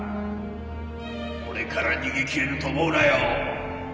俺から逃げ切れると思うなよ。